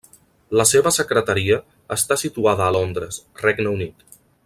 La seva secretaria està situada a Londres, Regne Unit.